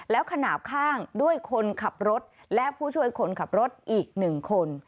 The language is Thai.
แล้วขนาดข้างด้วยคนขับรถและผู้ช่วยคนขับรถอีก๑คน